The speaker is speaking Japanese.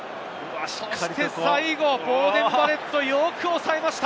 そして最後、ボーデン・バレット、よく抑えました。